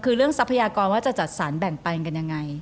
คือเรื่องทรัพยากรว่าจะจัดสรรแบ่งปันกันยังไง